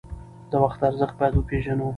د وخت ارزښت باید وپیژنو.